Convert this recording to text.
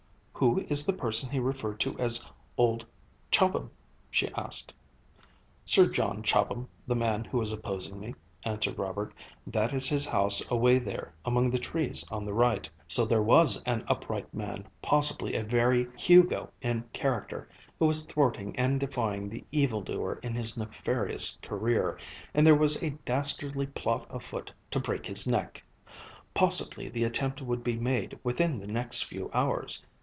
"Who is the person he referred to as old Chobham?" she asked. "Sir John Chobham, the man who is opposing me," answered Robert; "that is his house away there among the trees on the right." So there was an upright man, possibly a very Hugo in character, who was thwarting and defying the evildoer in his nefarious career, and there was a dastardly plot afoot to break his neck! Possibly the attempt would be made within the next few hours.